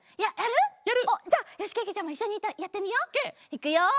いくよ！